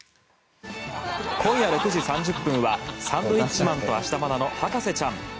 今夜６時３０分は「サンドウィッチマン＆芦田愛菜の博士ちゃん」。